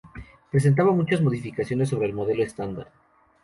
Presentaba muchas modificaciones sobre el modelo estándar.